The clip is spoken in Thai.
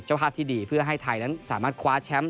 ภาพที่ดีเพื่อให้ไทยนั้นสามารถคว้าแชมป์